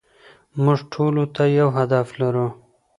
موږ ټولو ته يو هدف لرو.